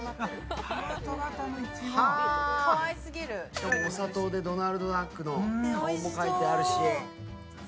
しかも、お砂糖でドナルドダックの顔も描いてあるし。